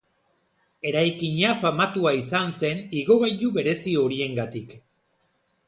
Eraikina famatua izan zen igogailu berezi horiengatik.